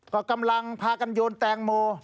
ก็กำลังพากันโยนแตงโม